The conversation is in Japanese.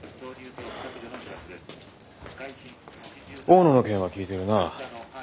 大野の件は聞いているな？